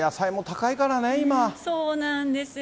そうなんですよ。